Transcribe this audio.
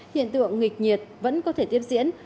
hiện tượng nghịch nhiệt vẫn có thể tiếp diễn